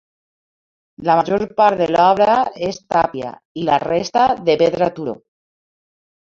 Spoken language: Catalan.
La major part de l'obra és tàpia i la resta de pedra turó.